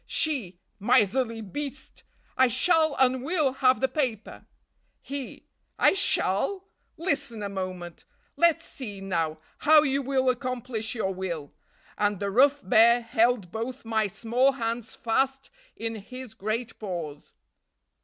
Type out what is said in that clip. "She. 'Miserly beast! I shall and will have the paper.' "He. '"I shall"! Listen a moment. Let's see, now, how you will accomplish your will.' And the rough Bear held both my small hands fast in his great paws.